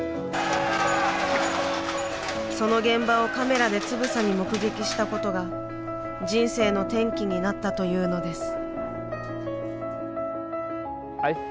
その現場をカメラでつぶさに目撃したことが人生の転機になったというのです。